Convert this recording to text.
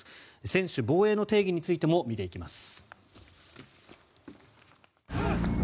専守防衛の定義についても見ていきます。